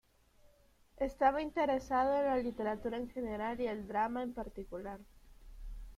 Estaba interesado en la literatura en general y el drama en particular.